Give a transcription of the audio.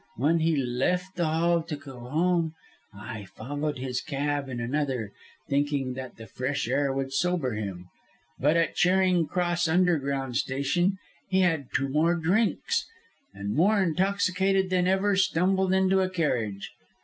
When he left the hall to go home I followed his cab in another, thinking that the fresh air would sober him. But at Charing Cross underground station he had two more drinks, and, more intoxicated than ever, stumbled into a carriage.